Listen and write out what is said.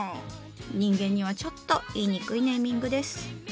人間にはちょっと言いにくいネーミングです。